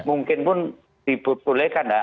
mungkin pun dibutuhkan